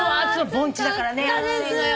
盆地だからね暑いのよ。